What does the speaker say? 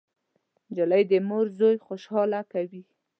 نجلۍ د مور زوی خوشحاله کوي.